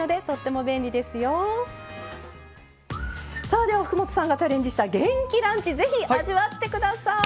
さあでは福本さんがチャレンジした元気ランチ是非味わってください。